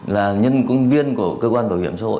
là nhân công viên của cơ quan bảo hiểm xã hội